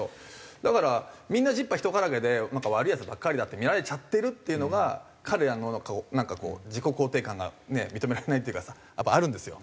だからみんな十把一絡げで悪いヤツばっかりだって見られちゃってるっていうのが彼らのなんかこう自己肯定感がね認められないっていうかさやっぱあるんですよ。